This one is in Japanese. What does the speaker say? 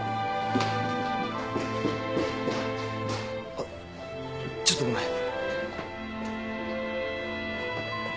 あっちょっとごめん。